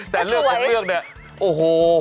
แต่เรื่องของเรื่องเนี่ยโอ้โห